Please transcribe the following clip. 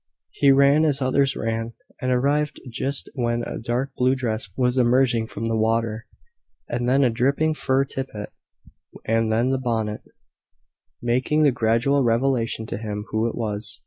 He ran as others ran, and arrived just when a dark blue dress was emerging from the water, and then a dripping fur tippet, and then the bonnet, making the gradual revelation to him who it was.